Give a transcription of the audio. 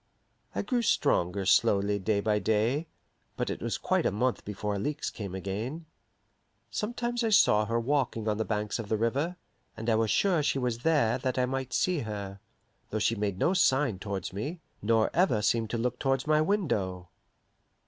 I grew stronger slowly day by day, but it was quite a month before Alixe came again. Sometimes I saw her walking on the banks of the river, and I was sure she was there that I might see her, though she made no sign towards me, nor ever seemed to look towards my window.